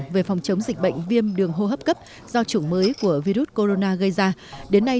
về phòng chống dịch bệnh viêm đường hô hấp cấp do chủng mới của virus corona gây ra đến nay